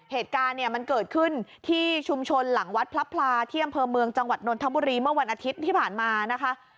เหตุการณ์เนี่ยมันเกิดขึ้นที่ชุมชนหลังวัดพระพลาที่อำเภอเมืองจังหวัดนนทบุรีเมื่อวันอาทิตย์ที่ผ่านมานะคะ